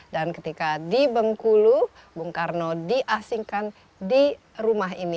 dan ketika di bengkulu bung karno diasingkan di rumah ini